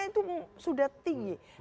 distrustnya itu sudah tinggi